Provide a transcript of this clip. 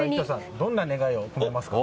どんな願いを込めますか？